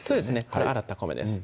これ洗った米です